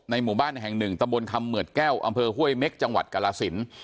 หมู่บ้านแห่งหนึ่งตะบนคำเหมือดแก้วอำเภอห้วยเม็กจังหวัดกรสิน